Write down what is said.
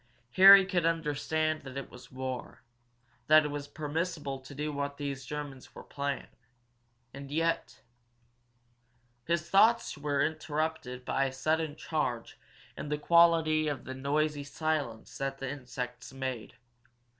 Harry could understand that it was war, that it was permissible to do what these Germans were planned. And yet His thoughts were interrupted by a sudden change in the quality of the noisy silence that the insects made.